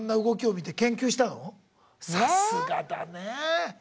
さすがだね！